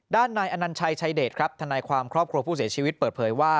นายอนัญชัยชายเดชครับทนายความครอบครัวผู้เสียชีวิตเปิดเผยว่า